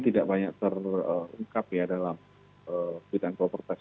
tidak banyak terungkap ya dalam pilihan propertas